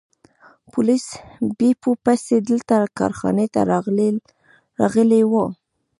پولیس بیپو پسې دلته کارخانې ته راغلي وو.